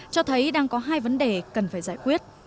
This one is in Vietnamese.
cho thấy đang có hai vấn đề cần phải giải quyết